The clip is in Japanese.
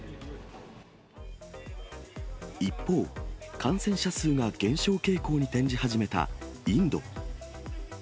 一方、感染者数が減少傾向に転じ始めたインド。